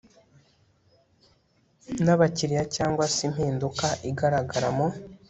n abakiliya cyangwa se impinduka igaragara mu